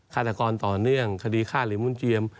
ฆาตกรต่อเนื่องคดีฆ่าหรือมุนเจียม